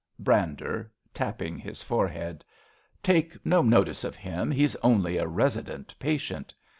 Brander {tapping his forehead). Take no notice of him. He's only a resident patient.